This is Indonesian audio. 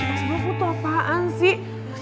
mas bufu tuh apaan sih